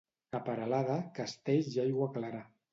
A Peralada, castells i aigua clara.